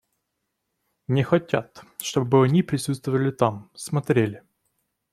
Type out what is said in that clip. Не хотят, чтобы они присутствовали там, смотрели.